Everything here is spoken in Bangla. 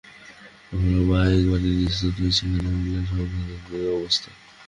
কখনো-বা একেবারে নিস্তব্ধ হয়ে থাকে, সেইটেই হল সাংঘাতিক অবস্থা।